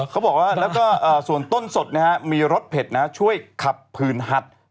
เขาบอกว่าแล้วก็ส่วนต้นสดนะฮะมีรสเผ็ดนะช่วยขับผื่นหัด